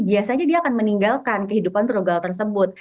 biasanya dia akan meninggalkan kehidupan frugal tersebut